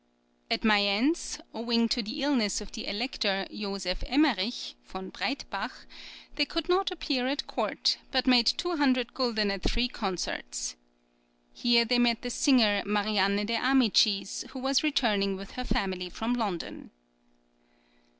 At Mayence, owing to the illness of the Elector, Joseph Emnrerich (von Breidtbach), they could not appear at court, but made 200 florins at three concerts. Here they met the singer, Marianne de Amicis, who was returning with her family from London.